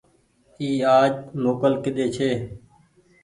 اي آج موڪل ڪيۮي ڇي۔